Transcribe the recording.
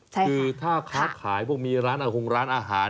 คือถ้าค้าขายพวกมีร้านอาหาร